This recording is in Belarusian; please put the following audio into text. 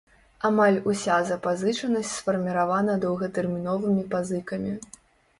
Амаль уся запазычанасць сфарміравана доўгатэрміновымі пазыкамі.